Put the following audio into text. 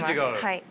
はい。